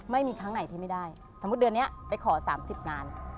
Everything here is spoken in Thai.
ไม่มีครั้งไหนที่ไม่ได้สมมุติเดือนนี้ไปขอ๓๐งาน